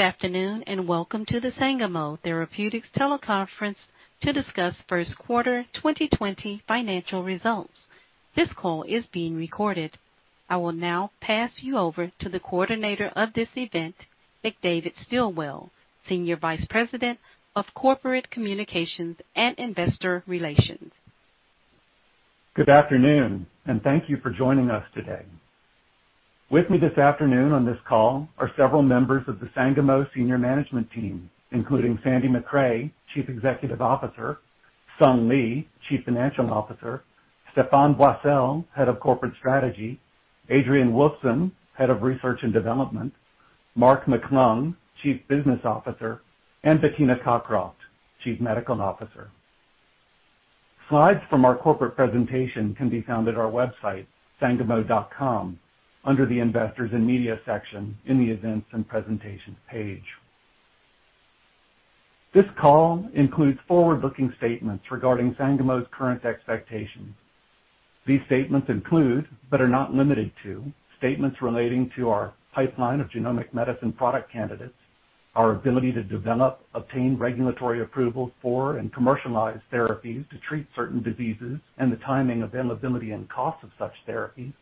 Good afternoon and welcome to the Sangamo Therapeutics teleconference to discuss first quarter 2020 financial results. This call is being recorded. I will now pass you over to the coordinator of this event, McDavid Stilwell, Senior Vice President of Corporate Communications and Investor Relations. Good afternoon and thank you for joining us today. With me this afternoon on this call are several members of the Sangamo Senior Management Team, including Sandy Macrae, Chief Executive Officer, Sung Lee, Chief Financial Officer, Stephane Boissel, Head of Corporate Strategy, Adrian Woolfson, Head of Research and Development, Mark McClung, Chief Business Officer, and Bettina Cockroft, Chief Medical Officer. Slides from our corporate presentation can be found at our website, sangamo.com, under the Investors and Media section in the Events and Presentations page. This call includes forward-looking statements regarding Sangamo's current expectations. These statements include, but are not limited to, statements relating to our pipeline of genomic medicine product candidates, our ability to develop, obtain regulatory approval for, and commercialize therapies to treat certain diseases, and the timing of availability and cost of such therapies,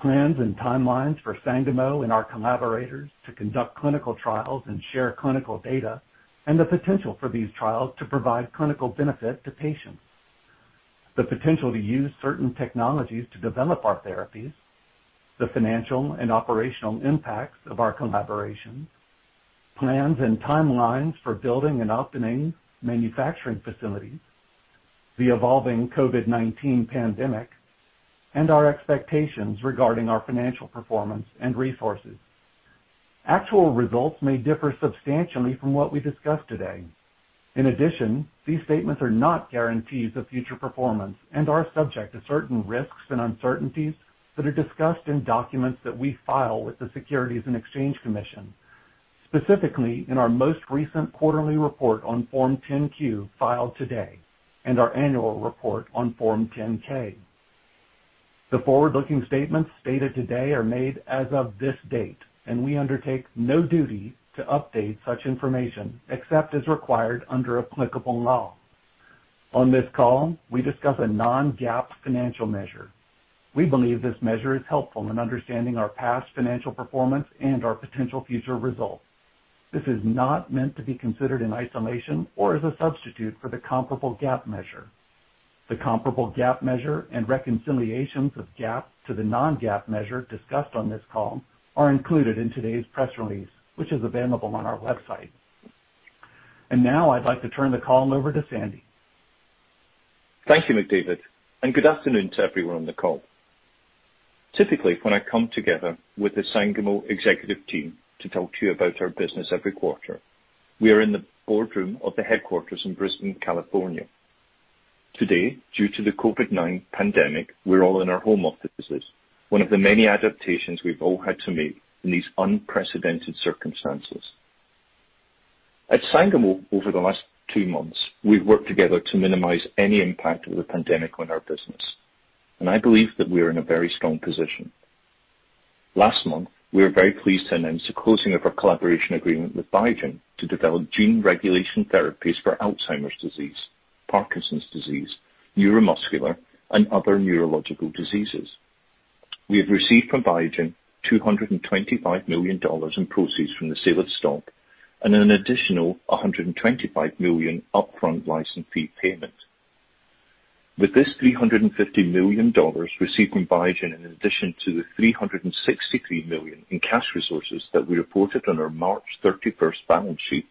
plans and timelines for Sangamo and our collaborators to conduct clinical trials and share clinical data, and the potential for these trials to provide clinical benefit to patients, the potential to use certain technologies to develop our therapies, the financial and operational impacts of our collaboration, plans and timelines for building and opening manufacturing facilities, the evolving COVID-19 pandemic, and our expectations regarding our financial performance and resources. Actual results may differ substantially from what we discuss today. In addition, these statements are not guarantees of future performance and are subject to certain risks and uncertainties that are discussed in documents that we file with the Securities and Exchange Commission, specifically in our most recent quarterly report on Form 10Q filed today and our annual report on Form 10K. The forward-looking statements stated today are made as of this date, and we undertake no duty to update such information except as required under applicable law. On this call, we discuss a non-GAAP financial measure. We believe this measure is helpful in understanding our past financial performance and our potential future results. This is not meant to be considered in isolation or as a substitute for the comparable GAAP measure. The comparable GAAP measure and reconciliations of GAAP to the non-GAAP measure discussed on this call are included in today's press release, which is available on our website. I would like to turn the call over to Sandy. Thank you, McDavid, and good afternoon to everyone on the call. Typically, when I come together with the Sangamo Executive Team to talk to you about our business every quarter, we are in the boardroom of the headquarters in Brisbane, California. Today, due to the COVID-19 pandemic, we're all in our home offices, one of the many adaptations we've all had to make in these unprecedented circumstances. At Sangamo, over the last two months, we've worked together to minimize any impact of the pandemic on our business, and I believe that we are in a very strong position. Last month, we were very pleased to announce the closing of our collaboration agreement with Biogen to develop gene regulation therapies for Alzheimer's disease, Parkinson's disease, neuromuscular, and other neurological diseases. We have received from Biogen $225 million in proceeds from the sale of stock and an additional $125 million upfront license fee payment. With this $350 million received from Biogen in addition to the $363 million in cash resources that we reported on our March 31st balance sheet,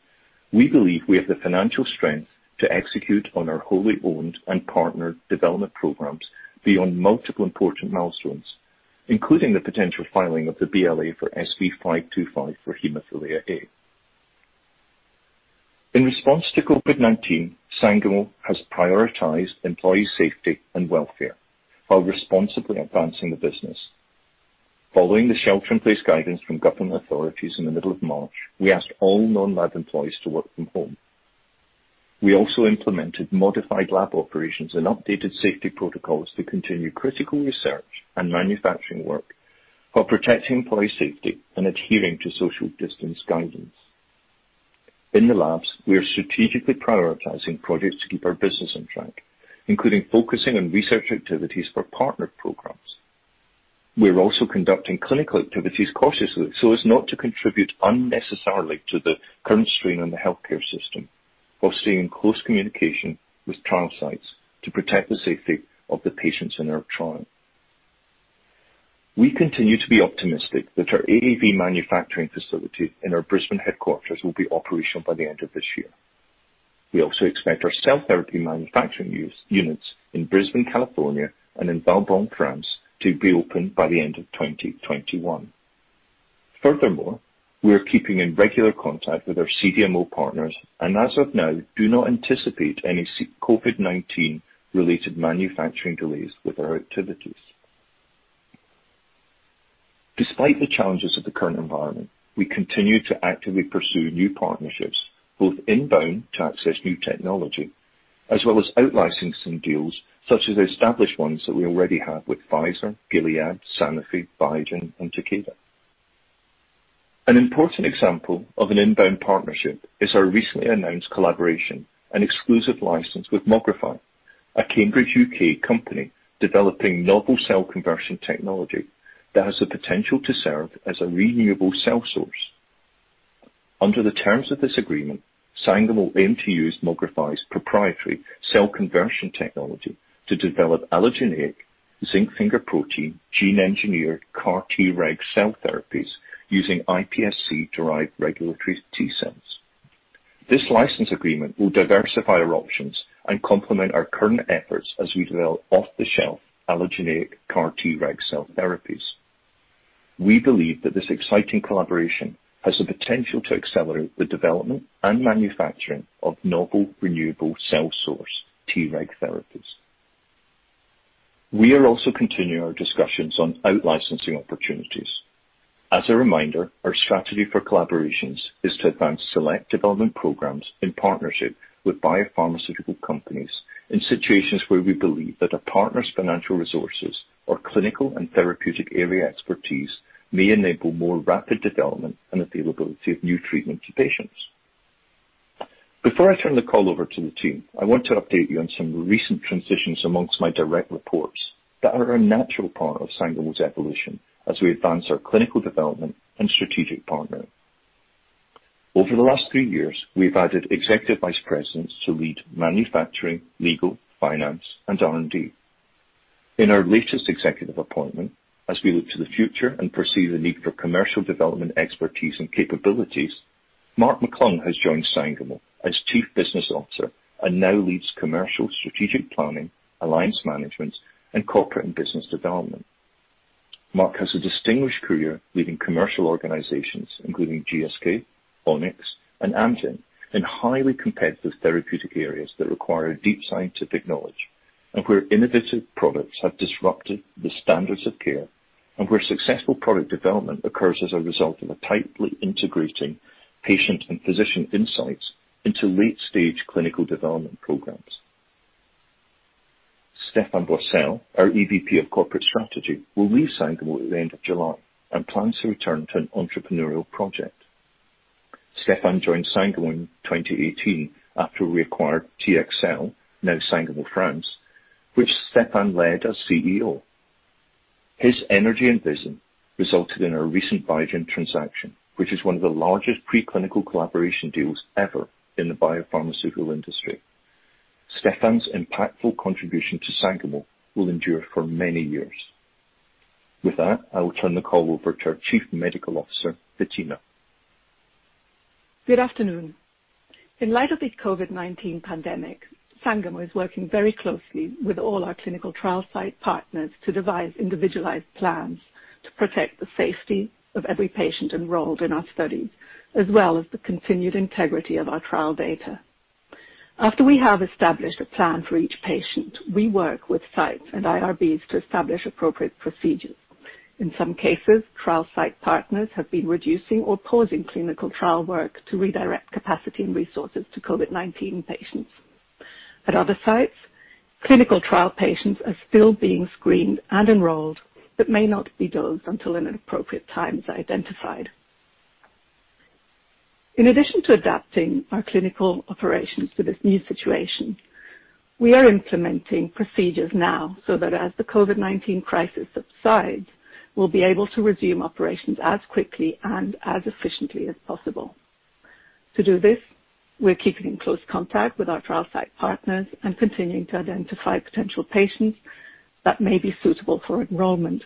we believe we have the financial strength to execute on our wholly owned and partnered development programs beyond multiple important milestones, including the potential filing of the BLA for SB525 for hemophilia A. In response to COVID-19, Sangamo has prioritized employee safety and welfare while responsibly advancing the business. Following the shelter-in-place guidance from government authorities in the middle of March, we asked all non-lab employees to work from home. We also implemented modified lab operations and updated safety protocols to continue critical research and manufacturing work while protecting employee safety and adhering to social distance guidance. In the labs, we are strategically prioritizing projects to keep our business on track, including focusing on research activities for partnered programs. We are also conducting clinical activities cautiously so as not to contribute unnecessarily to the current strain on the healthcare system, while staying in close communication with trial sites to protect the safety of the patients in our trial. We continue to be optimistic that our AAV manufacturing facility in our Brisbane headquarters will be operational by the end of this year. We also expect our cell therapy manufacturing units in Brisbane, California, and in Valbonne, France, to be open by the end of 2021. Furthermore, we are keeping in regular contact with our CDMO partners and, as of now, do not anticipate any COVID-19-related manufacturing delays with our activities. Despite the challenges of the current environment, we continue to actively pursue new partnerships, both inbound to access new technology as well as outlicensing deals such as established ones that we already have with Pfizer, Gilead, Sanofi, Biogen, and Takeda. An important example of an inbound partnership is our recently announced collaboration, an exclusive license with Mogrify, a Cambridge, U.K. company developing novel cell conversion technology that has the potential to serve as a renewable cell source. Under the terms of this agreement, Sangamo aim to use Mogrify's proprietary cell conversion technology to develop allogeneic zinc finger protein gene-engineered CAR-Treg cell therapies using iPSC-derived regulatory T cells. This license agreement will diversify our options and complement our current efforts as we develop off-the-shelf allogeneic CAR-Treg cell therapies. We believe that this exciting collaboration has the potential to accelerate the development and manufacturing of novel renewable cell source Treg therapies. We are also continuing our discussions on outlicensing opportunities. As a reminder, our strategy for collaborations is to advance select development programs in partnership with biopharmaceutical companies in situations where we believe that a partner's financial resources or clinical and therapeutic area expertise may enable more rapid development and availability of new treatment to patients. Before I turn the call over to the team, I want to update you on some recent transitions amongst my direct reports that are a natural part of Sangamo's evolution as we advance our clinical development and strategic partnering. Over the last three years, we have added Executive Vice Presidents to lead manufacturing, legal, finance, and R&D. In our latest executive appointment, as we look to the future and perceive the need for commercial development expertise and capabilities, Mark McClung has joined Sangamo as Chief Business Officer and now leads commercial strategic planning, alliance management, and corporate and business development. Mark has a distinguished career leading commercial organizations, including GSK, Onyx, and Amgen in highly competitive therapeutic areas that require deep scientific knowledge, and where innovative products have disrupted the standards of care, and where successful product development occurs as a result of tightly integrating patient and physician insights into late-stage clinical development programs. Stephane Boissel, our EVP of Corporate Strategy, will leave Sangamo at the end of July and plans to return to an entrepreneurial project. Stephane joined Sangamo in 2018 after we acquired TXL, now Sangamo France, which Stephane led as CEO. His energy and vision resulted in our recent Biogen transaction, which is one of the largest pre-clinical collaboration deals ever in the biopharmaceutical industry. Stephane's impactful contribution to Sangamo will endure for many years. With that, I will turn the call over to our Chief Medical Officer, Bettina. Good afternoon. In light of the COVID-19 pandemic, Sangamo is working very closely with all our clinical trial site partners to devise individualized plans to protect the safety of every patient enrolled in our studies, as well as the continued integrity of our trial data. After we have established a plan for each patient, we work with sites and IRBs to establish appropriate procedures. In some cases, trial site partners have been reducing or pausing clinical trial work to redirect capacity and resources to COVID-19 patients. At other sites, clinical trial patients are still being screened and enrolled but may not be dosed until an appropriate time is identified. In addition to adapting our clinical operations to this new situation, we are implementing procedures now so that as the COVID-19 crisis subsides, we'll be able to resume operations as quickly and as efficiently as possible. To do this, we're keeping in close contact with our trial site partners and continuing to identify potential patients that may be suitable for enrollment.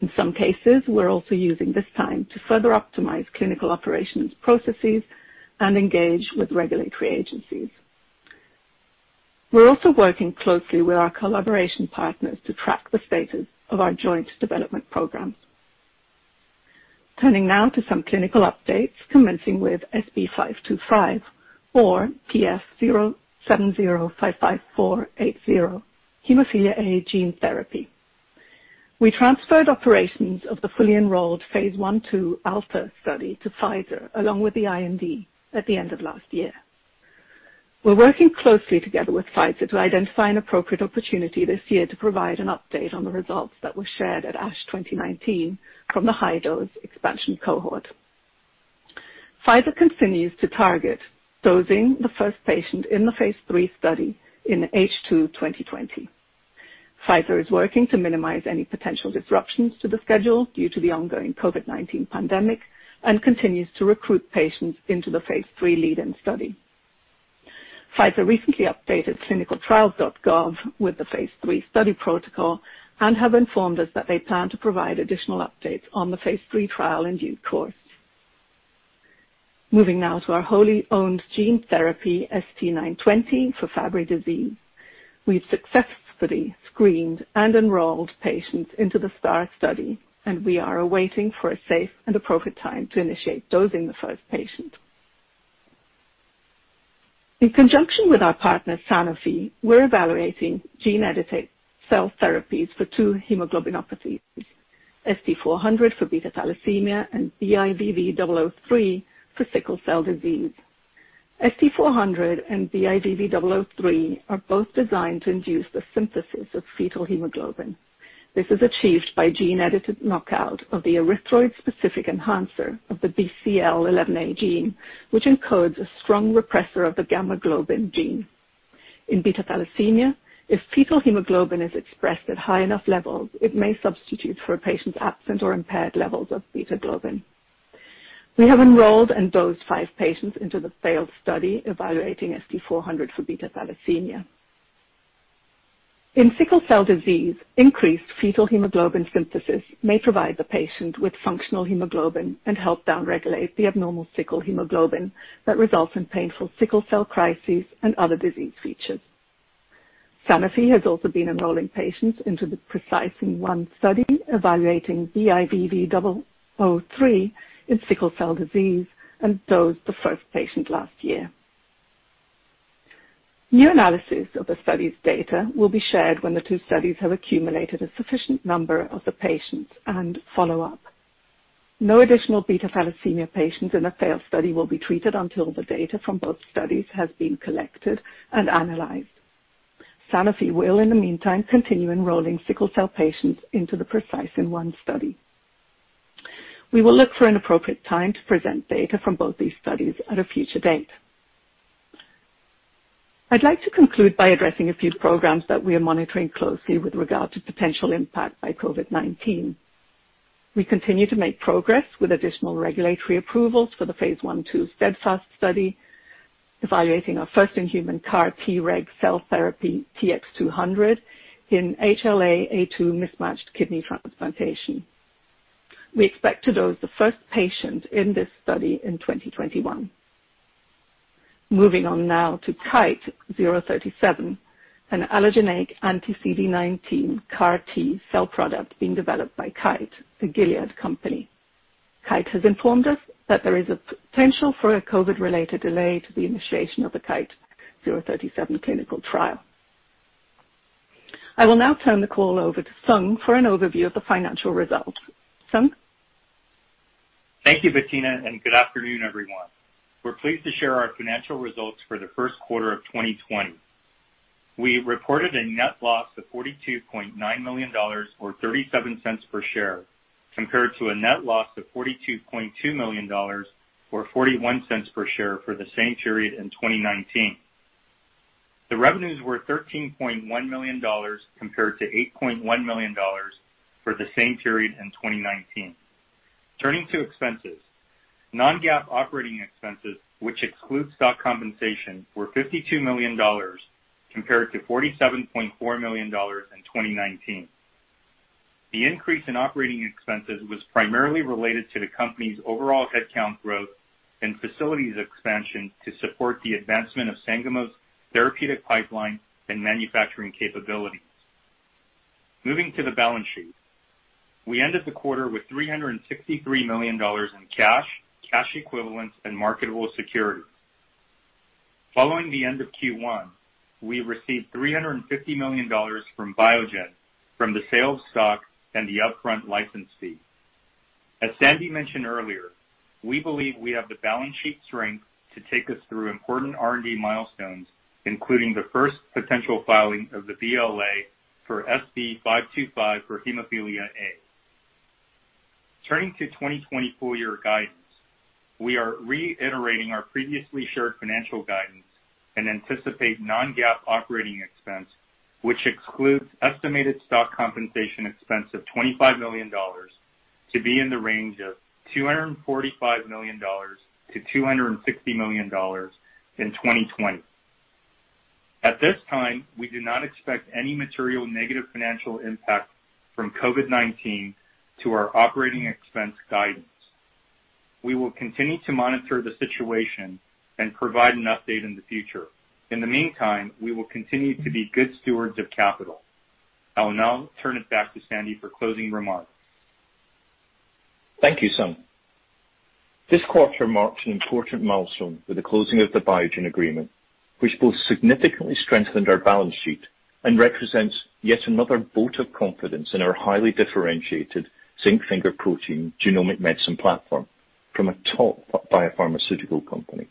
In some cases, we're also using this time to further optimize clinical operations processes and engage with regulatory agencies. We're also working closely with our collaboration partners to track the status of our joint development programs. Turning now to some clinical updates, commencing with SB525, or PS07055480, hemophilia A gene therapy. We transferred operations of the fully enrolled phase I/II ALTA study to Pfizer, along with the IND, at the end of last year. We're working closely together with Pfizer to identify an appropriate opportunity this year to provide an update on the results that were shared at ASH 2019 from the high-dose expansion cohort. Pfizer continues to target dosing the first patient in the phase III study in H2 2020. Pfizer is working to minimize any potential disruptions to the schedule due to the ongoing COVID-19 pandemic and continues to recruit patients into the phase III lead-in study. Pfizer recently updated clinicaltrials.gov with the phase III study protocol and have informed us that they plan to provide additional updates on the phase III trial in due course. Moving now to our wholly owned gene therapy ST-920 for Fabry disease. We've successfully screened and enrolled patients into the STAAR study, and we are awaiting a safe and appropriate time to initiate dosing the first patient. In conjunction with our partner, Sanofi, we're evaluating gene-edited cell therapies for two hemoglobinopathies: ST-400 for beta thalassemia and BIVV003 for sickle cell disease. ST-400 and BIVV003 are both designed to induce the synthesis of fetal hemoglobin. This is achieved by gene-edited knockout of the erythroid-specific enhancer of the BCL11a gene, which encodes a strong repressor of the gamma globin gene. In beta thalassemia, if fetal hemoglobin is expressed at high enough levels, it may substitute for a patient's absent or impaired levels of beta globin. We have enrolled and dosed five patients into the failed study evaluating ST-400 for beta thalassemia. In sickle cell disease, increased fetal hemoglobin synthesis may provide the patient with functional hemoglobin and help downregulate the abnormal sickle hemoglobin that results in painful sickle cell crises and other disease features. Sanofi has also been enrolling patients into the PRECIZN-one study evaluating BIVV003 in sickle cell disease and dosed the first patient last year. New analysis of the study's data will be shared when the two studies have accumulated a sufficient number of the patients and follow up. No additional beta thalassemia patients in the failed study will be treated until the data from both studies has been collected and analyzed. Sanofi will, in the meantime, continue enrolling sickle cell patients into the PRECIZN-one study. We will look for an appropriate time to present data from both these studies at a future date. I'd like to conclude by addressing a few programs that we are monitoring closely with regard to potential impact by COVID-19. We continue to make progress with additional regulatory approvals for the phase I/II STEADFAST study evaluating our first in human CAR-Treg cell therapy TX-200 in HLA-A2 mismatched kidney transplantation. We expect to dose the first patient in this study in 2021. Moving on now to KITE-037, an allogeneic anti-CD19 CAR-T cell product being developed by Kite, the Gilead company. Kite has informed us that there is a potential for a COVID-related delay to the initiation of the KITE-037 clinical trial. I will now turn the call over to Sung for an overview of the financial results. Sung. Thank you, Bettina, and good afternoon, everyone. We're pleased to share our financial results for the first quarter of 2020. We reported a net loss of $42.9 million, or $0.37 per share, compared to a net loss of $42.2 million, or $0.41 per share, for the same period in 2019. The revenues were $13.1 million, compared to $8.1 million, for the same period in 2019. Turning to expenses, non-GAAP operating expenses, which excludes stock compensation, were $52 million, compared to $47.4 million in 2019. The increase in operating expenses was primarily related to the company's overall headcount growth and facilities expansion to support the advancement of Sangamo's therapeutic pipeline and manufacturing capabilities. Moving to the balance sheet, we ended the quarter with $363 million in cash, cash equivalents, and marketable security. Following the end of Q1, we received $350 million from Biogen from the sale of stock and the upfront license fee. As Sandy mentioned earlier, we believe we have the balance sheet strength to take us through important R&D milestones, including the first potential filing of the BLA for SB525 for hemophilia A. Turning to 2024 year guidance, we are reiterating our previously shared financial guidance and anticipate non-GAAP operating expense, which excludes estimated stock compensation expense of $25 million, to be in the range of $245 million-$260 million in 2020. At this time, we do not expect any material negative financial impact from COVID-19 to our operating expense guidance. We will continue to monitor the situation and provide an update in the future. In the meantime, we will continue to be good stewards of capital. I'll now turn it back to Sandy for closing remarks. Thank you, Sung. This quarter marks an important milestone with the closing of the Biogen agreement, which both significantly strengthened our balance sheet and represents yet another vote of confidence in our highly differentiated zinc finger protein genomic medicine platform from a top biopharmaceutical company.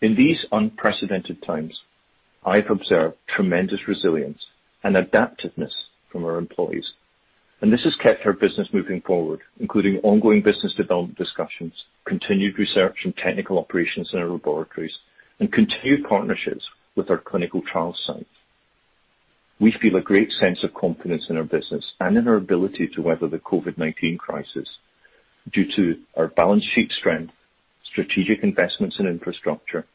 In these unprecedented times, I've observed tremendous resilience and adaptiveness from our employees, and this has kept our business moving forward, including ongoing business development discussions, continued research and technical operations in our laboratories, and continued partnerships with our clinical trial sites. We feel a great sense of confidence in our business and in our ability to weather the COVID-19 crisis due to our balance sheet strength, strategic investments in infrastructure,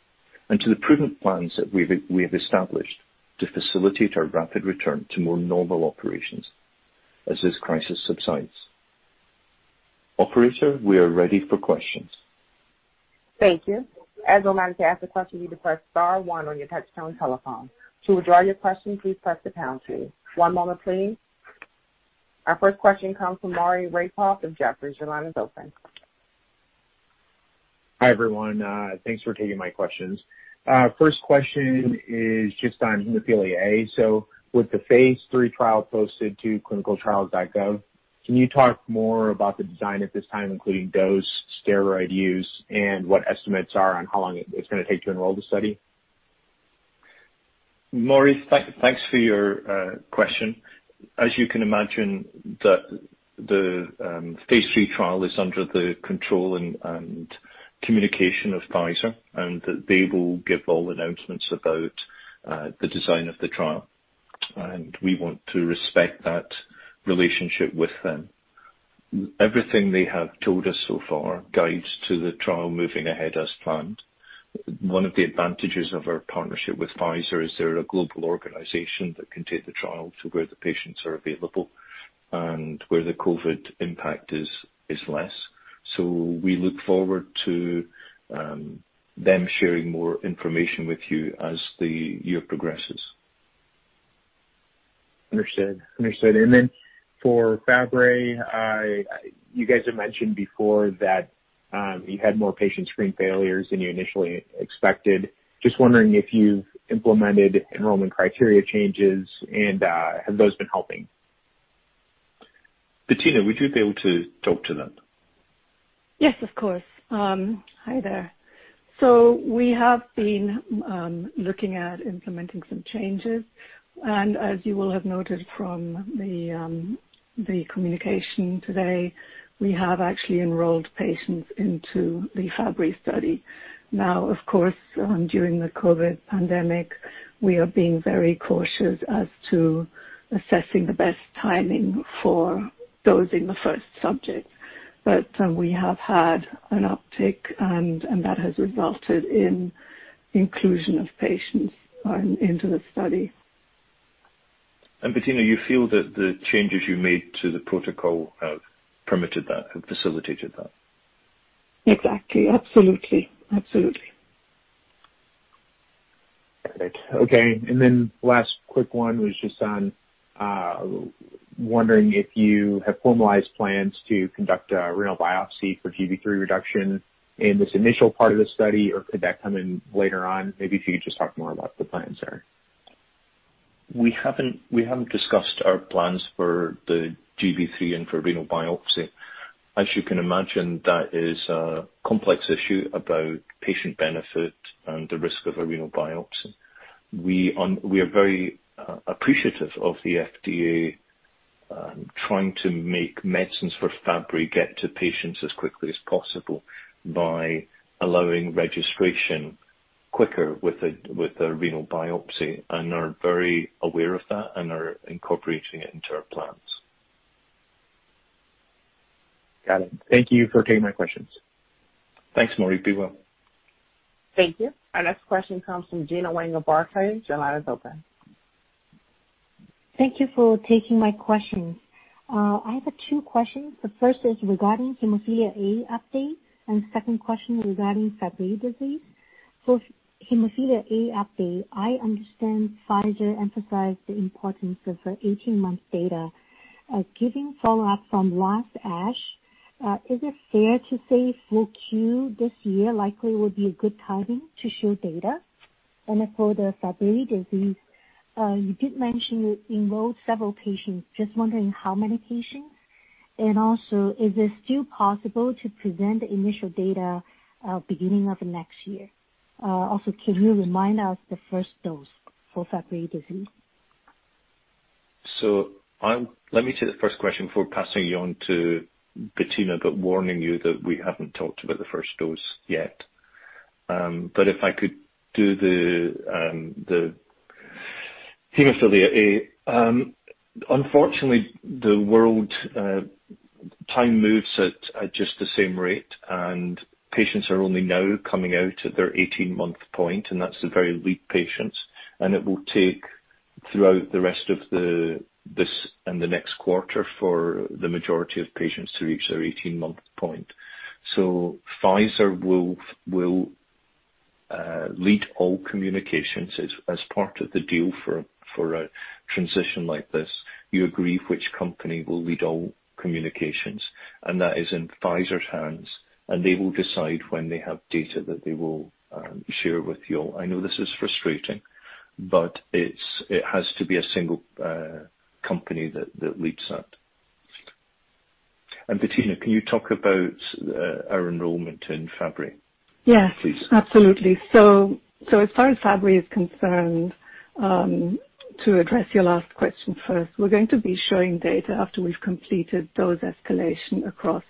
and to the prudent plans that we have established to facilitate our rapid return to more normal operations as this crisis subsides. Operator, we are ready for questions. Thank you. As a reminder to ask a question, you depress star one on your touchstone telephone. To withdraw your question, please press the pound key. One moment, please. Our first question comes from Maury Raycroft of Jefferies. Your line is open. Hi, everyone. Thanks for taking my questions. First question is just on hemophilia A. With the phase III trial posted to clinicaltrials.gov, can you talk more about the design at this time, including dose, steroid use, and what estimates are on how long it's going to take to enroll the study? Maury, thanks for your question. As you can imagine, the phase III trial is under the control and communication of Pfizer, and they will give all announcements about the design of the trial. We want to respect that relationship with them. Everything they have told us so far guides to the trial moving ahead as planned. One of the advantages of our partnership with Pfizer is they're a global organization that can take the trial to where the patients are available and where the COVID impact is less. We look forward to them sharing more information with you as the year progresses. Understood. Understood. For Fabry, you guys have mentioned before that you had more patient screen failures than you initially expected. Just wondering if you've implemented enrollment criteria changes, and have those been helping? Bettina, would you be able to talk to them? Yes, of course. Hi there. We have been looking at implementing some changes. As you will have noted from the communication today, we have actually enrolled patients into the Fabry study. Now, of course, during the COVID-19 pandemic, we are being very cautious as to assessing the best timing for dosing the first subject. We have had an uptick, and that has resulted in inclusion of patients into the study. Bettina, you feel that the changes you made to the protocol have permitted that, have facilitated that? Exactly. Absolutely. Absolutely. Perfect. Okay. The last quick one was just on wondering if you have formalized plans to conduct a renal biopsy for GB3 reduction in this initial part of the study, or could that come in later on? Maybe if you could just talk more about the plans, sir. We have not discussed our plans for the GB3 and for renal biopsy. As you can imagine, that is a complex issue about patient benefit and the risk of a renal biopsy. We are very appreciative of the FDA trying to make medicines for Fabry get to patients as quickly as possible by allowing registration quicker with a renal biopsy. We are very aware of that and are incorporating it into our plans. Got it. Thank you for taking my questions. Thanks, Maury. Be well. Thank you. Our next question comes from Gena Wang of Barclays. Your line is open. Thank you for taking my questions. I have two questions. The first is regarding hemophilia A update, and the second question regarding Fabry disease. Hemophilia A update, I understand Pfizer emphasized the importance of 18-month data. Given follow-up from last ASH, is it fair to say full queue this year likely would be a good timing to show data? For the Fabry disease, you did mention you enrolled several patients. Just wondering how many patients? Also, is it still possible to present the initial data beginning of next year? Also, can you remind us the first dose for Fabry disease? Let me take the first question before passing you on to Bettina, but warning you that we have not talked about the first dose yet. If I could do the hemophilia A, unfortunately, the world time moves at just the same rate, and patients are only now coming out at their 18-month point, and that is the very weak patients. It will take throughout the rest of this and the next quarter for the majority of patients to reach their 18-month point. Pfizer will lead all communications as part of the deal for a transition like this. You agree which company will lead all communications, and that is in Pfizer's hands. They will decide when they have data that they will share with you all. I know this is frustrating, but it has to be a single company that leads that. Bettina, can you talk about our enrollment in Fabry, please? Yes. Absolutely. As far as Fabry is concerned, to address your last question first, we're going to be showing data after we've completed those escalations across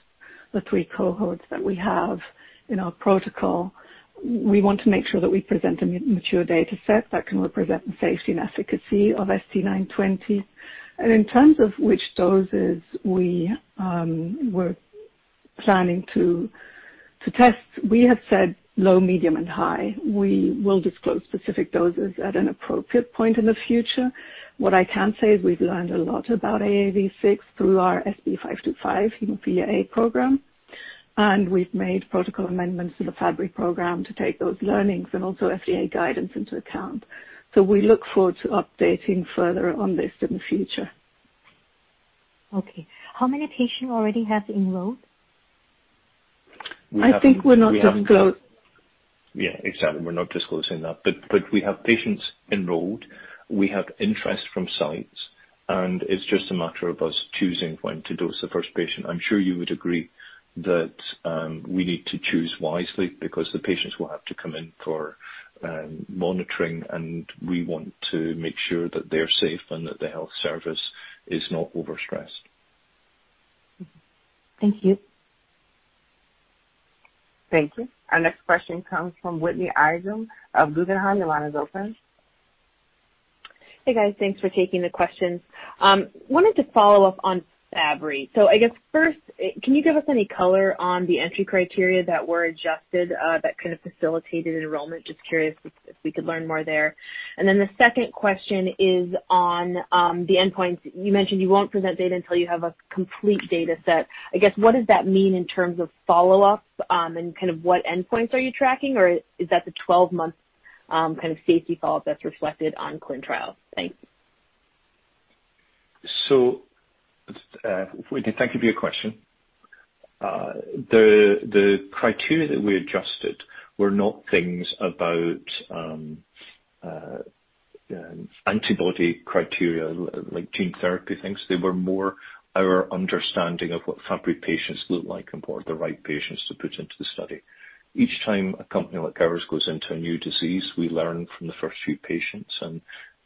the three cohorts that we have in our protocol. We want to make sure that we present a mature data set that can represent the safety and efficacy of ST-920. In terms of which doses we were planning to test, we have said low, medium, and high. We will disclose specific doses at an appropriate point in the future. What I can say is we've learned a lot about AAV6 through our SB525 hemophilia A program. We've made protocol amendments to the Fabry program to take those learnings and also FDA guidance into account. We look forward to updating further on this in the future. Okay. How many patients already have enrolled? I think we're not disclosing. Yeah. Exactly. We're not disclosing that. We have patients enrolled. We have interest from sites, and it's just a matter of us choosing when to dose the first patient. I'm sure you would agree that we need to choose wisely because the patients will have to come in for monitoring, and we want to make sure that they're safe and that the health service is not overstressed. Thank you. Thank you. Our next question comes from Whitney Ijem of Guggenheim. Your line is open. Hey, guys. Thanks for taking the questions. Wanted to follow up on Fabry. I guess first, can you give us any color on the entry criteria that were adjusted that kind of facilitated enrollment? Just curious if we could learn more there. The second question is on the endpoints. You mentioned you won't present data until you have a complete data set. I guess what does that mean in terms of follow-up and kind of what endpoints are you tracking, or is that the 12-month kind of safety follow-up that's reflected on clin trials? Thanks. Whitney, thank you for your question. The criteria that we adjusted were not things about antibody criteria, like gene therapy things. They were more our understanding of what Fabry patients look like and what are the right patients to put into the study. Each time a company like ours goes into a new disease, we learn from the first few patients.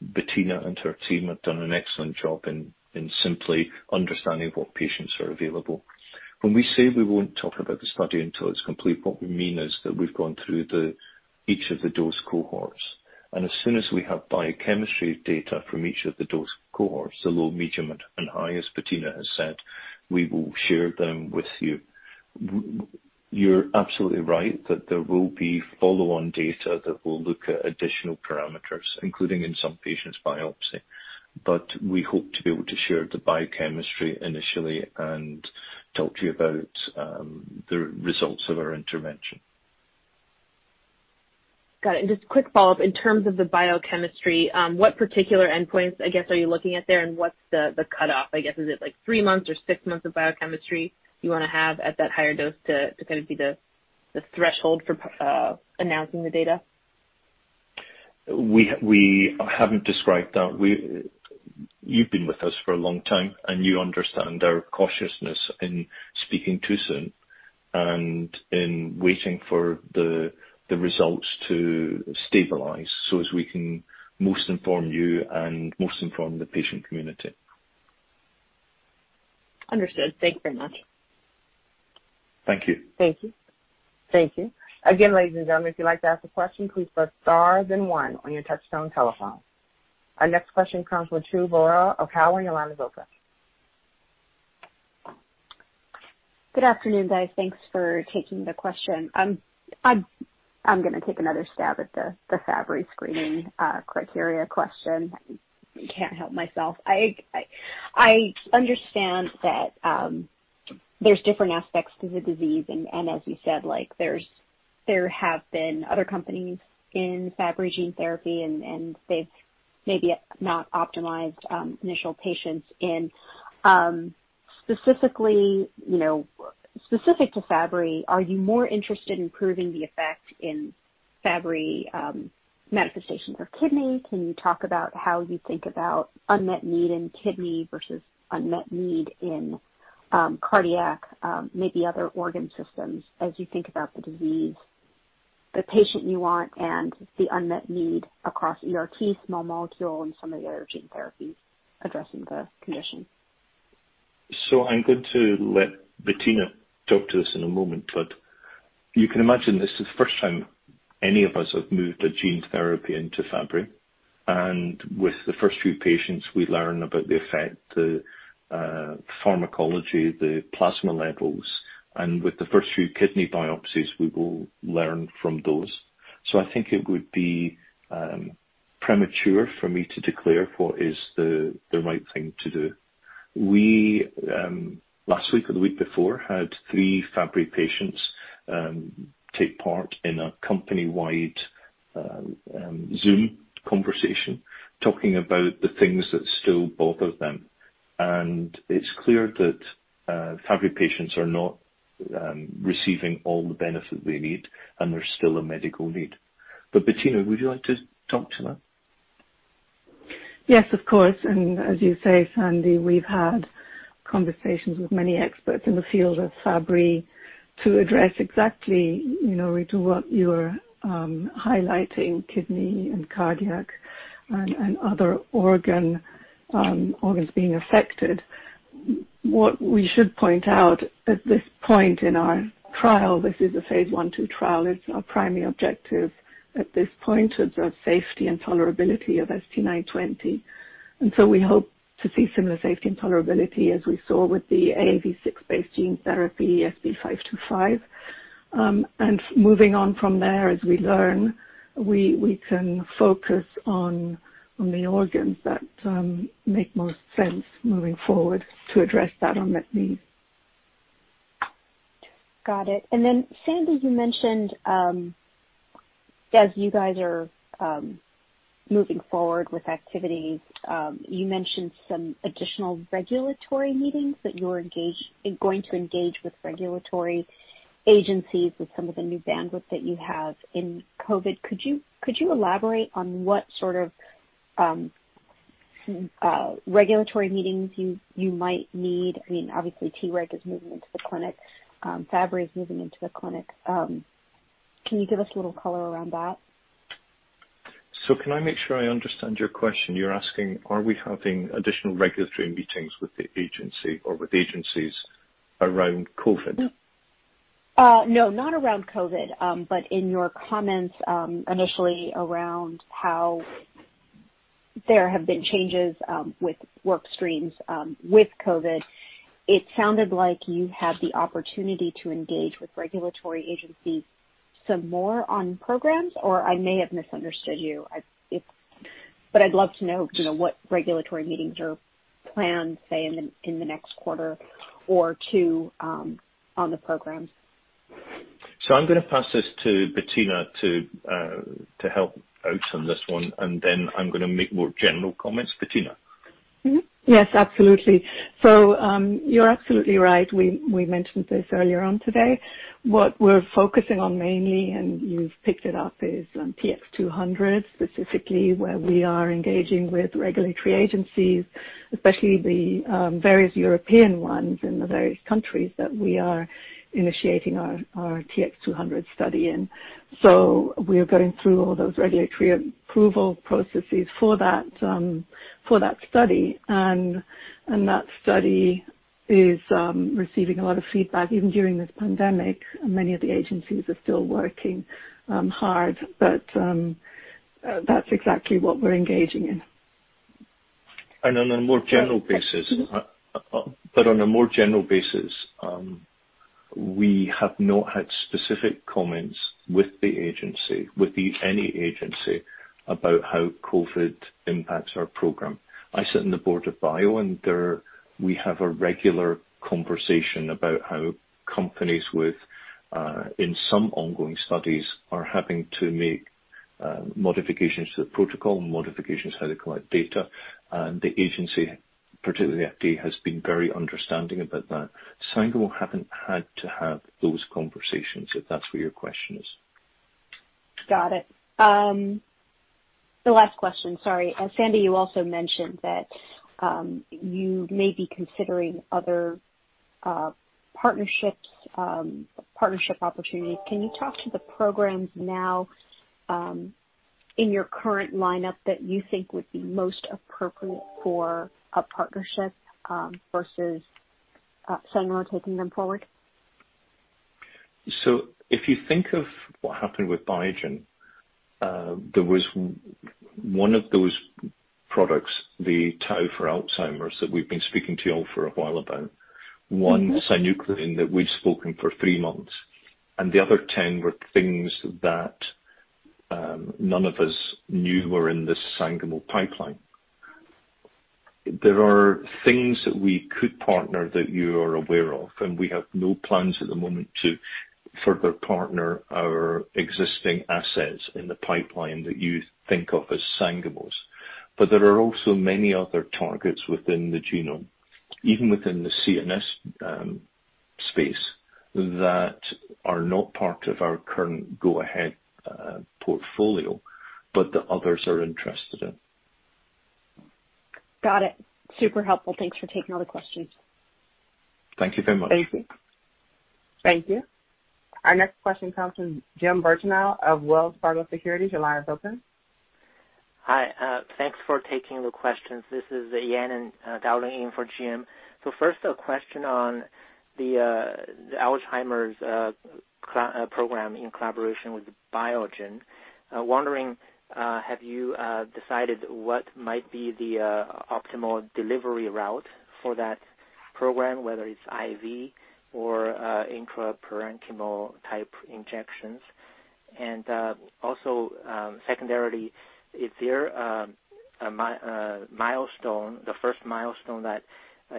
Bettina and her team have done an excellent job in simply understanding what patients are available. When we say we will not talk about the study until it is complete, what we mean is that we have gone through each of the dose cohorts. As soon as we have biochemistry data from each of the dose cohorts, the low, medium, and high, as Bettina has said, we will share them with you. You're absolutely right that there will be follow-on data that will look at additional parameters, including in some patients' biopsy. We hope to be able to share the biochemistry initially and talk to you about the results of our intervention. Got it. Just a quick follow-up. In terms of the biochemistry, what particular endpoints, I guess, are you looking at there, and what's the cutoff? I guess, is it like three months or six months of biochemistry you want to have at that higher dose to kind of be the threshold for announcing the data? We haven't described that. You've been with us for a long time, and you understand our cautiousness in speaking too soon and in waiting for the results to stabilize so as we can most inform you and most inform the patient community. Understood. Thank you very much. Thank you. Thank you. Thank you. Again, ladies and gentlemen, if you'd like to ask a question, please press star then one on your touch-tone telephone. Our next question comes from Ritu Baral of Cowen. Your line is open. Good afternoon, guys. Thanks for taking the question. I'm going to take another stab at the Fabry screening criteria question. I can't help myself. I understand that there's different aspects to the disease. As you said, there have been other companies in Fabry gene therapy, and they've maybe not optimized initial patients. Specifically specific to Fabry, are you more interested in proving the effect in Fabry manifestations for kidney? Can you talk about how you think about unmet need in kidney versus unmet need in cardiac, maybe other organ systems as you think about the disease, the patient you want, and the unmet need across ERT, small molecule, and some of the other gene therapies addressing the condition? I'm going to let Bettina talk to us in a moment. You can imagine this is the first time any of us have moved a gene therapy into Fabry. With the first few patients, we learn about the effect, the pharmacology, the plasma levels. With the first few kidney biopsies, we will learn from those. I think it would be premature for me to declare what is the right thing to do. Last week or the week before, I had three Fabry patients take part in a company-wide Zoom conversation talking about the things that still bother them. It's clear that Fabry patients are not receiving all the benefit they need, and there's still a medical need. Bettina, would you like to talk to them? Yes, of course. As you say, Sandy, we've had conversations with many experts in the field of Fabry to address exactly what you're highlighting, kidney and cardiac and other organs being affected. What we should point out at this point in our trial, this is a phase I/II trial. It's our primary objective at this point to observe safety and tolerability of ST-920. We hope to see similar safety and tolerability as we saw with the AAV6-based gene therapy, SB525. Moving on from there, as we learn, we can focus on the organs that make most sense moving forward to address that unmet need. Got it. Sandy, you mentioned as you guys are moving forward with activities, you mentioned some additional regulatory meetings that you're going to engage with regulatory agencies with some of the new bandwidth that you have in COVID. Could you elaborate on what sort of regulatory meetings you might need? I mean, obviously, TREC is moving into the clinic. Fabry is moving into the clinic. Can you give us a little color around that? Can I make sure I understand your question? You're asking, are we having additional regulatory meetings with the agency or with agencies around COVID? No, not around COVID. In your comments initially around how there have been changes with work streams with COVID, it sounded like you had the opportunity to engage with regulatory agencies some more on programs, or I may have misunderstood you. I'd love to know what regulatory meetings are planned, say, in the next quarter or two on the programs. I'm going to pass this to Bettina to help out on this one. Then I'm going to make more general comments. Bettina. Yes, absolutely. You're absolutely right. We mentioned this earlier on today. What we're focusing on mainly, and you've picked it up, is TX-200, specifically where we are engaging with regulatory agencies, especially the various European ones in the various countries that we are initiating our TX-200 study in. We're going through all those regulatory approval processes for that study. That study is receiving a lot of feedback even during this pandemic. Many of the agencies are still working hard. That's exactly what we're engaging in. On a more general basis, we have not had specific comments with the agency, with any agency, about how COVID impacts our program. I sit on the board of Bio, and we have a regular conversation about how companies with, in some ongoing studies, are having to make modifications to the protocol, modifications how they collect data. The agency, particularly the FDA, has been very understanding about that. Sangamo have not had to have those conversations if that is what your question is. Got it. The last question, sorry. Sandy, you also mentioned that you may be considering other partnerships, partnership opportunities. Can you talk to the programs now in your current lineup that you think would be most appropriate for a partnership versus Sangamo taking them forward? If you think of what happened with Biogen, there was one of those products, the tau for Alzheimer's, that we've been speaking to you all for a while about. One cyanocolline that we've spoken for three months. The other 10 were things that none of us knew were in the Sangamo pipeline. There are things that we could partner that you are aware of. We have no plans at the moment to further partner our existing assets in the pipeline that you think of as Sangamo's. There are also many other targets within the genome, even within the CNS space, that are not part of our current go-ahead portfolio, but the others are interested in. Got it. Super helpful. Thanks for taking all the questions. Thank you very much. Thank you. Our next question comes from Jim Birchenough of Wells Fargo Securities. Your line is open. Hi. Thanks for taking the questions. Thisis Yanan dialing for Jim. First, a question on the Alzheimer's program in collaboration with Biogen. Wondering, have you decided what might be the optimal delivery route for that program, whether it's IV or intraparenchymal type injections? Also, secondarily, is there a milestone, the first milestone that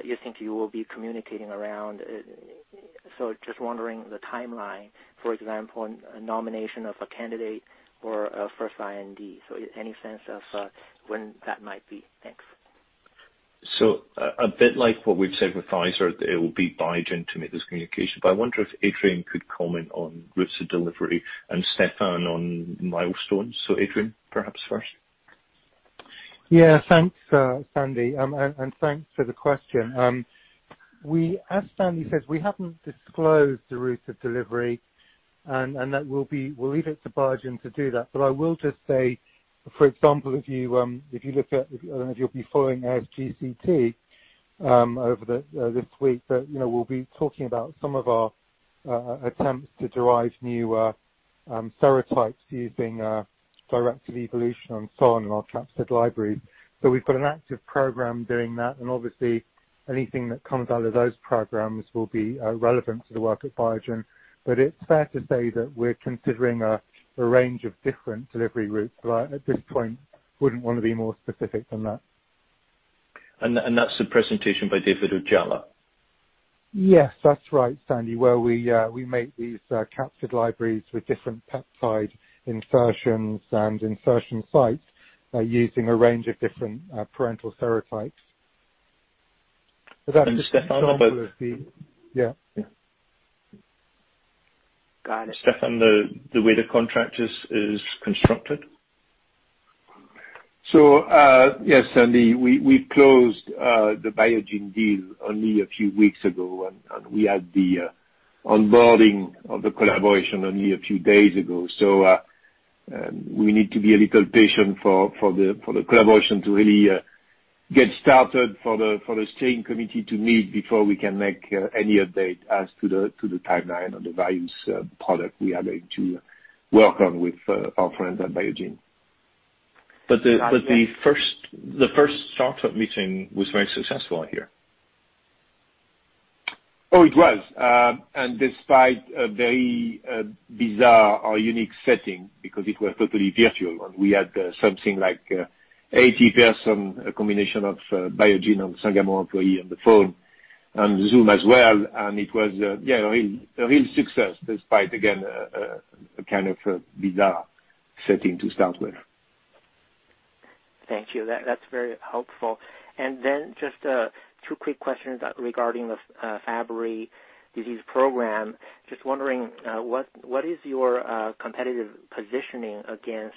you think you will be communicating around? Just wondering the timeline, for example, nomination of a candidate or a first IND. Any sense of when that might be? Thanks. A bit like what we've said with Pfizer, it will be Biogen to make this communication. I wonder if Adrian could comment on routes of delivery and Stephane on milestones. Adrian, perhaps first. Yeah, thanks, Sandy. Thanks for the question. As Sandy says, we have not disclosed the route of delivery, and we will leave it to Biogen to do that. I will just say, for example, if you look at, I do not know if you will be following ASGCT over this week, but we will be talking about some of our attempts to derive new serotypes using direct evolution and so on in our capsid libraries. We have got an active program doing that. Obviously, anything that comes out of those programs will be relevant to the work at Biogen. It is fair to say that we are considering a range of different delivery routes. At this point, I would not want to be more specific than that. That's the presentation by David Ojala. Yes, that's right, Sandy, where we make these capsid libraries with different peptide insertions and insertion sites using a range of different parental serotypes. Stephane about. Yeah. Got it. Stephane, the way the contract is constructed? Yes, Sandy, we closed the Biogen deal only a few weeks ago. We had the onboarding of the collaboration only a few days ago. We need to be a little patient for the collaboration to really get started, for the steering committee to meet before we can make any update as to the timeline on the values product we are going to work on with our friends at Biogen. The first startup meeting was very successful, I hear. Oh, it was. Despite a very bizarre or unique setting because it was totally virtual, we had something like 80 persons, a combination of Biogen and Sangamo employees on the phone and Zoom as well. It was a real success despite, again, a kind of bizarre setting to start with. Thank you. That's very helpful. Just two quick questions regarding the Fabry disease program. Just wondering, what is your competitive positioning against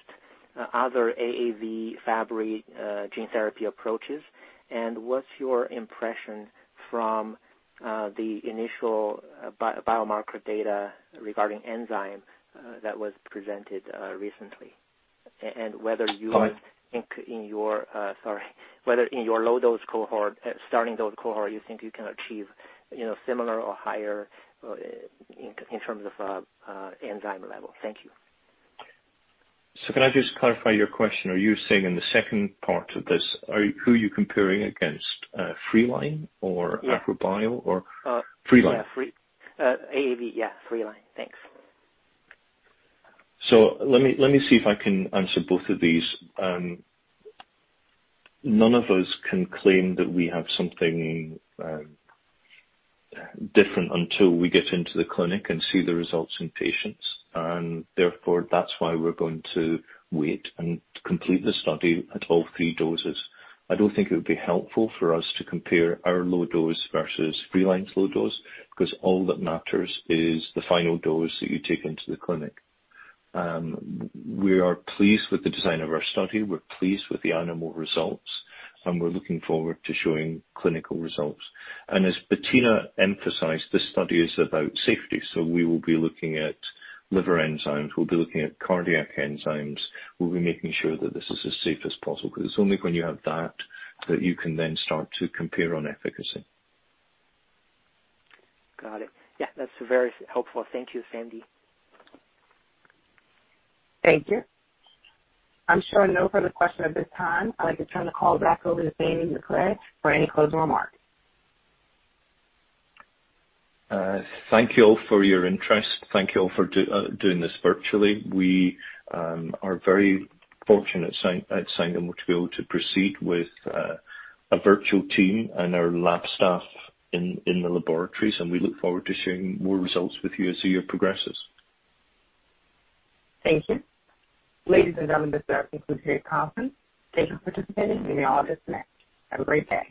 other AAV Fabry gene therapy approaches? What's your impression from the initial biomarker data regarding enzyme that was presented recently? Whether in your low-dose cohort, you think you can achieve similar or higher in terms of enzyme level? Thank you. Can I just clarify your question? Are you saying in the second part of this, who are you comparing against, Freeline or Acrobio or Freeline? Yeah, Freeline. AAV, yeah, Freeline. Thanks. Let me see if I can answer both of these. None of us can claim that we have something different until we get into the clinic and see the results in patients. Therefore, that's why we're going to wait and complete the study at all three doses. I don't think it would be helpful for us to compare our low dose versus Freeline's low dose because all that matters is the final dose that you take into the clinic. We are pleased with the design of our study. We're pleased with the animal results. We're looking forward to showing clinical results. As Bettina emphasized, this study is about safety. We will be looking at liver enzymes. We'll be looking at cardiac enzymes. We'll be making sure that this is as safe as possible because it's only when you have that that you can then start to compare on efficacy. Got it. Yeah, that's very helpful. Thank you, Sandy. Thank you. I'm showing no further questions at this time. I'd like to turn the call back over to Sandy Macrae for any closing remarks. Thank you all for your interest. Thank you all for doing this virtually. We are very fortunate at Sangamo to be able to proceed with a virtual team and our lab staff in the laboratories. We look forward to sharing more results with you as the year progresses. Thank you. Ladies and gentlemen, this concludes today's conference. Thank you for participating. We'll be all disconnected. Have a great day.